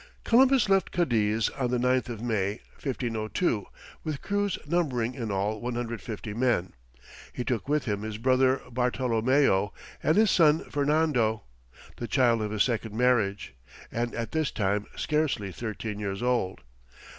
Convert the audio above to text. Columbus left Cadiz on the 9th of May, 1502, with crews numbering in all 150 men. He took with him his brother Bartolomeo, and his son Fernando, the child of his second marriage, and at this time scarcely thirteen years old.